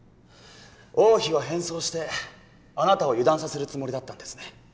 王妃は変装してあなたを油断させるつもりだったんですね。